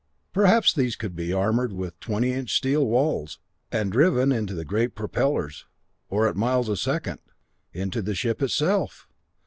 Perhaps these could be armored with twenty inch steel walls, and driven into the great propellers, or at miles a second, into the ship itself!